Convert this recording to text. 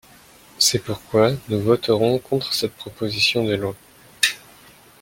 C’est pourquoi nous voterons contre cette proposition de loi.